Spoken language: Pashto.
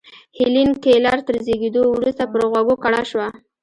هېلېن کېلر تر زېږېدو وروسته پر غوږو کڼه شوه.